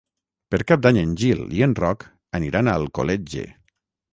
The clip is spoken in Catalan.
Per Cap d'Any en Gil i en Roc aniran a Alcoletge.